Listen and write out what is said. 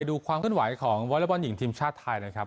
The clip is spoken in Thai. ดูความขึ้นไหวของวอเล็กบอลหญิงทีมชาติไทยนะครับ